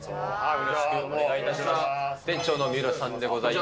よろしくお願いします。